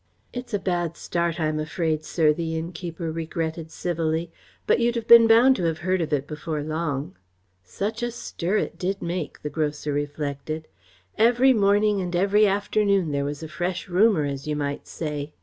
"It's a bad start, I'm afraid, sir," the innkeeper regretted civilly, "but you'd have been bound to have heard of it before long." "Such a stir it did make," the grocer reflected. "Every morning and every afternoon there was a fresh rumour, as you might say."